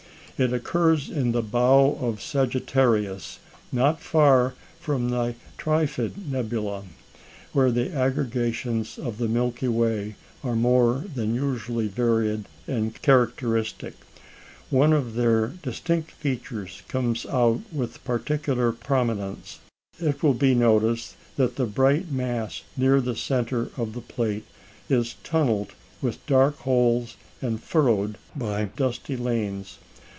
It occurs in the Bow of Sagittarius, not far from the Trifid nebula, where the aggregations of the Milky Way are more than usually varied and characteristic. One of their distinctive features comes out with particular prominence. It will be noticed that the bright mass near the centre of the plate is tunnelled with dark holes and furrowed by dusky lanes.